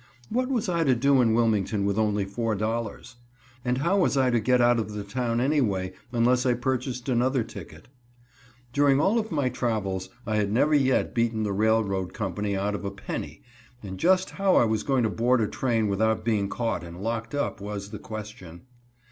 What was I to do in Wilmington with only four dollars? And how was I to get out of the town anyway, unless I purchased another ticket? During all of my travels, I had never yet beaten the railroad company out of a penny, and just how I was going to board a train without being caught and locked up was the question.